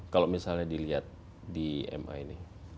kalau misalnya dilihat di ma ini